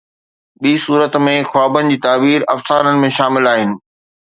ٻي صورت ۾، خوابن جي تعبير افسانن ۾ شامل آهن